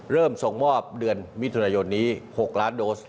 ส่งมอบเดือนมิถุนายนนี้๖ล้านโดส